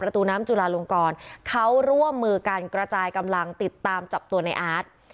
ประตูน้ำจุลาลงกรเขาร่วมมือการกระจายกำลังติดตามจับตัวในอาร์ต